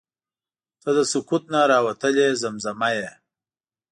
• ته د سکوت نه راوتلې زمزمه یې.